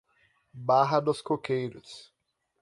Barra dos Coqueiros